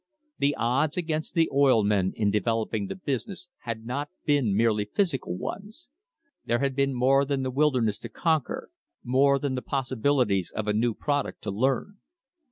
The odds against the oil men in developing the business had not been merely physical ones. There had been more than the wilderness to conquer, more than the possibilities of a new product to learn.